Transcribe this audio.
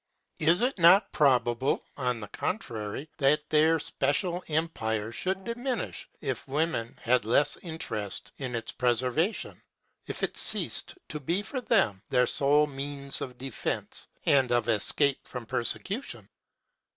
Is it not probable, on the contrary, that their special empire would diminish if women had less interest in its preservation; if it ceased to be for them their sole means of defence, and of escape from persecution?